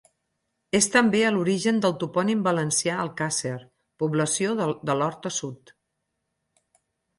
És també a l'origen del topònim valencià Alcàsser, població de l'Horta Sud.